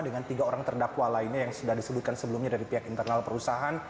dengan tiga orang terdakwa lainnya yang sudah disebutkan sebelumnya dari pihak internal perusahaan